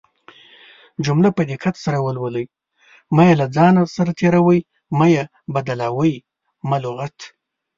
جمله په دقت سره ولولٸ مه يې له ځانه تيروٸ، مه يې بدالوۍ، مه لغت